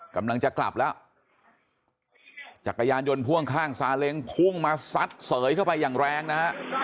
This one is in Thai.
กำลังจะกลับแล้วจักรยานยนต์พ่วงข้างซาเล้งพุ่งมาซัดเสยเข้าไปอย่างแรงนะฮะ